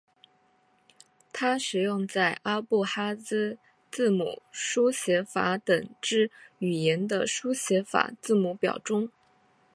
它使用在阿布哈兹字母书写法等之语言的书写法字母表中。